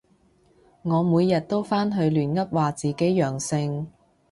我每日都返去亂噏話自己陽性